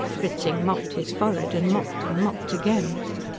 Fritzing mopped his forehead, and mopped and mopped again.